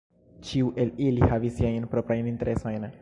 Ĉiu el ili havis siajn proprajn interesojn.